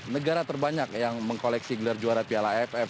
negara terbanyak yang mengkoleksi gelar juara piala aff